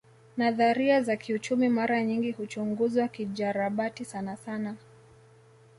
Nadharia za kiuchumi mara nyingi huchunguzwa kijarabati sanasana